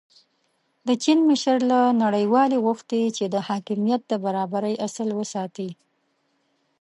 د چین مشر له نړیوالې غوښتي چې د حاکمیت د برابرۍ اصل وساتي.